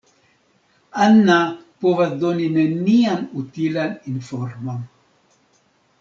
Anna povas doni nenian utilan informon.